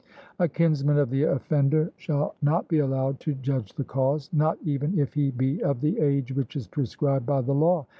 A kinsman of the offender shall not be allowed to judge the cause, not even if he be of the age which is prescribed by the law.